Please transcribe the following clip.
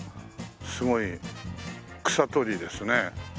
すごい草取りですね。